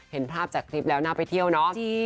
เห็นภาพจากคลิปแล้วน่าไปเที่ยวเนาะ